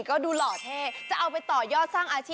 วันนี้แจกเหมือนเดิมเลยนะคะ